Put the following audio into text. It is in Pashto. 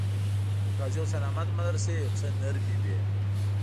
د قاضي حسین احمد مدرسې یو څه نرمې وې.